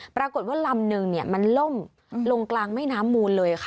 แปลว่าลำนึงมันล่มลงกลางแม่น้ำมูลเลยค่ะ